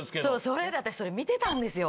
それで私それ見てたんですよ。